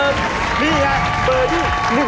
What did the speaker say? นี่แหละเบอร์ดี๑ในใจโฟน